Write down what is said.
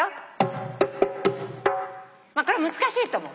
これは難しいと思う。